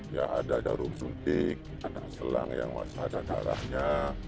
ya ada jarum suntik ada selang yang masih ada darahnya